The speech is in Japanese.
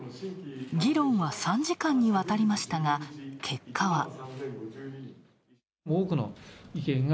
議論は３時間にわたりましたが、結果は。